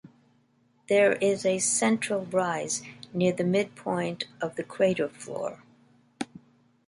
There is a central rise near the midpoint of the crater floor.